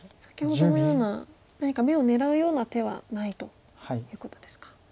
先ほどのような何か眼を狙うような手はないということですか。